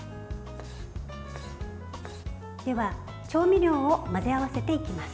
では、調味料を混ぜ合わせていきます。